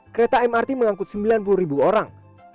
kereta mrt mengangkut sembilan puluh ribu orang